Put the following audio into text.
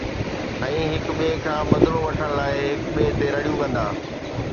۽ هڪ ٻئي کان بدلو وٺڻ لاءِ هڪ ٻئي تي رڙيون ڪندا